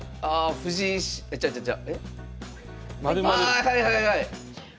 ああはいはいはい！